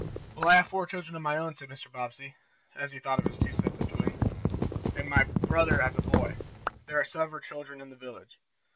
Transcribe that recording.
"Well, I have four children of my own," said Mr. Bobbsey, as he thought of his two sets of twins, "and my brother has a boy. There are also several children in the village.